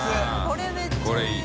これめっちゃいい！